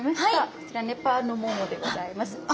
こちらネパールのモモでございます。